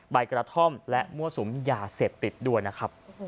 ใบกระท่อมและมั่วสุมยาเสพติดด้วยนะครับ